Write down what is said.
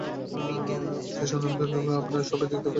উপস্থিত সুধীমন্ডলী, আপনাদের সবাই দেখতে পেয়ে আমি খুবই সহমর্মিত হয়েছি।